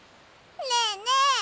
ねえねえ